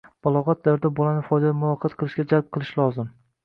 Balog'at davrida bolani foydali muloqot qilishga jalb qilish lozim.